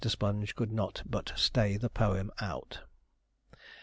Sponge could not but stay the poem out.